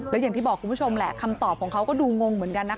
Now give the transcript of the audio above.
แล้วอย่างที่บอกคุณผู้ชมแหละคำตอบของเขาก็ดูงงเหมือนกันนะคะ